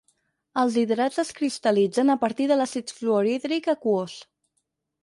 Els hidrats es cristal·litzen a partir d'àcid fluorhídric aquós.